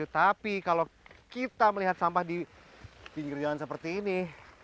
tapi kalau kita melihat sampah di pinggir jalan seperti ini